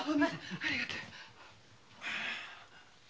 ありがとう。